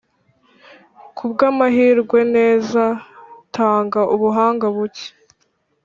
kubwamahirwe, - neza, tanga ubuhanga buke,